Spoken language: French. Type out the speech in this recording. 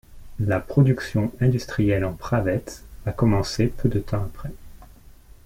La production industrielle en Pravetz a commencé peu de temps après.